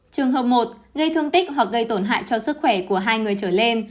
trường hợp một gây thương tích hoặc gây tổn hại cho sức khỏe của hai người trở lên